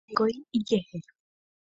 Noñangarekói ijehe.